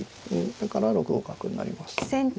だから６五角になりますね。